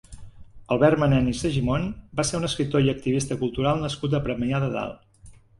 Albert Manent i Segimon va ser un escriptor i activista cultural nascut a Premià de Dalt.